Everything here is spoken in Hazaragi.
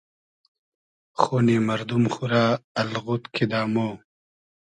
خونی مئردوم خو رۂ الغود کیدۂ مۉ